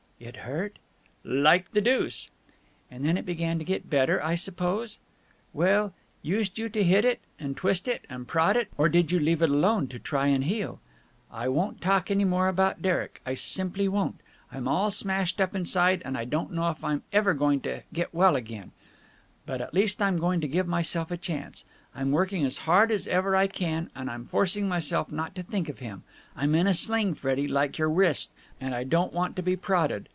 "It hurt?" "Like the deuce!" "And then it began to get better, I suppose. Well, used you to hit it, and twist it, and prod it, or did you leave it alone to try and heal? I won't talk any more about Derek! I simply won't! I'm all smashed up inside, and I don't know if I'm ever going to get well again, but at least I'm going to give myself a chance. I'm working as hard as ever I can and I'm forcing myself not to think of him. I'm in a sling, Freddie, like your wrist, and I don't want to be prodded.